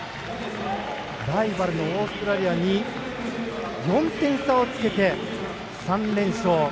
ライバルのオーストラリアに４点差をつけて３連勝。